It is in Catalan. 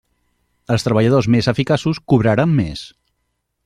Els treballadors més eficaços cobraran més.